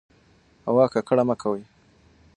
هوا ککړه مه کوئ.